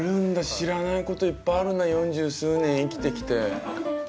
知らないこといっぱいあるな四十数年生きてきて。